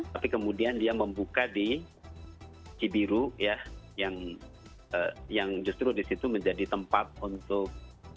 tapi kemudian dia membuka di cibiru ya yang justru disitu menjadi tempat untuk